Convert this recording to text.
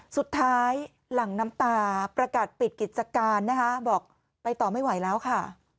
หลังน้ำตาประกาศปิดกิจการนะคะบอกไปต่อไม่ไหวแล้วค่ะ